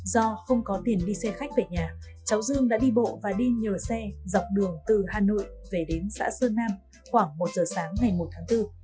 do không có tiền đi xe khách về nhà cháu dương đã đi bộ và đi nhờ xe dọc đường từ hà nội về đến xã sơn nam khoảng một giờ sáng ngày một tháng bốn